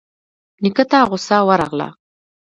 نيکه ته غوسه ورغله.